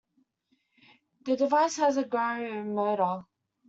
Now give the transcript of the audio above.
The device has a gyro motor.